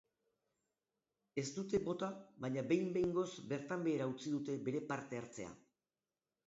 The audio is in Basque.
Ez dute bota baina behin behingoz bertan behera utzi dute bere parte hartzea.